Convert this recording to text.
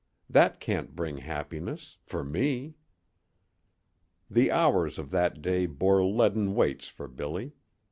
That can't bring happiness for me !" The hours of that day bore leaden weights for Billy.